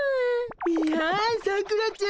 いやんさくらちゃん。